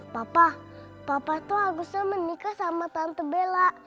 papa papa tuh harusnya menikah sama tante bella